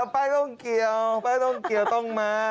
ป้าต้องเกี่ยวป้าต้องเกี่ยวต้องมา